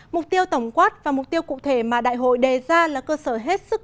mục tiêu tổng quát và mục tiêu cụ thể mà đại hội đề ra là cơ sở hết sức